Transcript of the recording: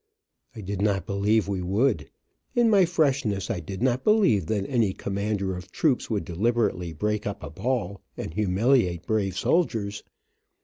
I did not believe we would. In my freshness I did not believe that any commander of troops would deliberately break up a ball, and humiliate brave soldiers.